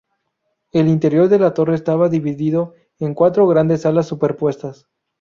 El interior de la torre estaba dividido en cuatro grandes salas superpuestas.